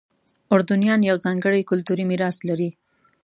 اردنیان یو ځانګړی کلتوري میراث لري.